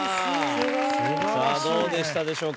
さあどうでしたでしょうか？